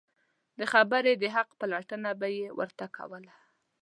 د خبرې د حق پلټنه به یې ورته کوله.